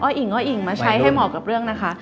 อิ่งอ้ออิ่งมาใช้ให้เหมาะกับเรื่องนะคะ